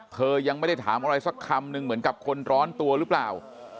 เธอยังไม่ได้ถามอะไรสักคำนึงเหมือนกับคนร้อนตัวหรือเปล่า